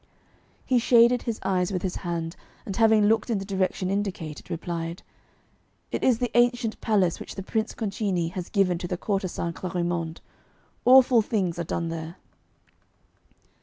He shaded his eyes with his hand, and having looked in the direction indicated, replied: 'It is the ancient palace which the Prince Concini has given to the courtesan Clarimonde. Awful things are done there!